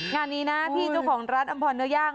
งานนี้นะพี่เจ้าของร้านอำพรเนื้อย่าง